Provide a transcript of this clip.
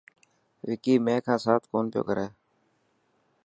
وڪي مين کان سات ڪونه پيو ڪري.